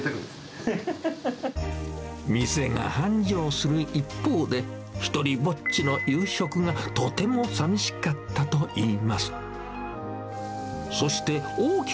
店が繁盛する一方で、一人ぼっちの夕食がとてもさみしかったといいます。